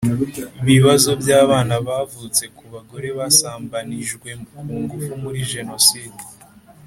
Bibazo by abana bavutse ku bagore basambanijwe ku ngufu muri jenoside